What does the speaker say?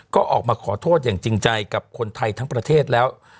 ก็ออกมาขอโทษอย่างจริงใจกับคนไทยทั้งประเทศแล้ว